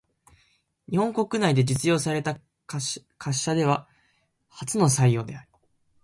日本国内で実用された貨車では初の採用である。